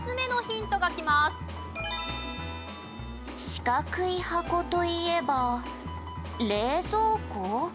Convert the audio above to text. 「四角いハコといえば冷蔵庫？